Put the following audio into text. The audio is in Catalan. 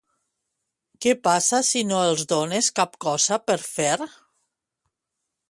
Què passa si no els dones cap cosa per fer?